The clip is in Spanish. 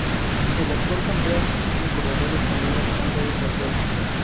El actual campeón es el corredor español Alejandro Valverde.